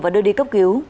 và đưa đi cấp cứu